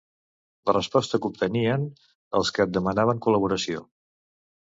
La resposta que obtenien els que et demanaven col·laboració.